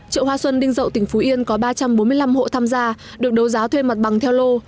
chợ hoa xuân đinh dậu tỉnh phú yên có ba trăm bốn mươi năm hộ tham gia được đấu giá thuê mặt bằng theo lô